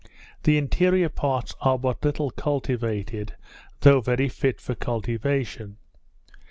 The interior parts are but little cultivated, though very fit for cultivation.